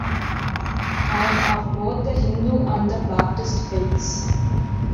I am of both the Hindu and the Baptist faiths.